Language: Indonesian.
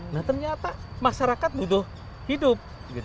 nah ternyata masyarakat butuh hidup